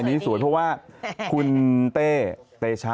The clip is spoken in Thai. อันนี้สวยเพราะว่าคุณเต้เตชะ